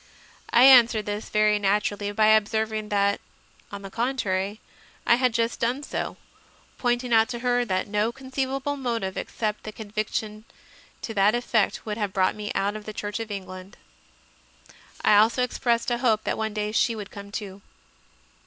I answered this, very naturally, by observing that, on the contrary, I had just done so, pointing out to her that no conceivable motive except the conviction to that effect would have brought me out of the Church of England. I also expressed a hope that one day she would come too.